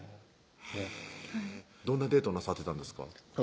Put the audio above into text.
へぇどんなデートをなさってたんですか？